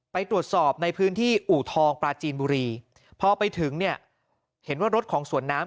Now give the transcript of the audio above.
ไปตรวจสอบในพื้นที่อู่ทองปลาจีนบุรีพอไปถึงเนี่ยเห็นว่ารถของสวนน้ำ